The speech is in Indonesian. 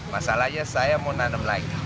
masalahnya saya mau nanam lagi